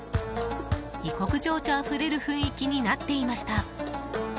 異国情緒あふれる雰囲気になっていました。